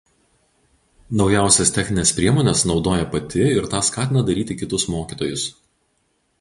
Naujausias technines priemones naudoja pati ir tą skatina daryti kitus mokytojus.